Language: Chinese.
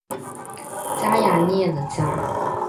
加雅涅的家。